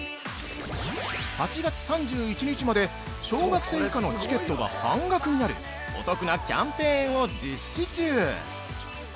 ８月３１日まで小学生以下のチケットが半額になるお得なキャンペーンを実施中。